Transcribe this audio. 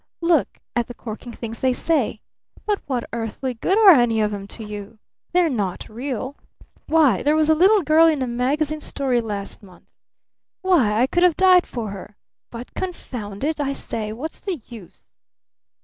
Look at the corking things they say! But what earthly good are any of 'em to you? They're not real! Why, there was a little girl in a magazine story last month ! Why, I could have died for her! But confound it, I say, what's the use?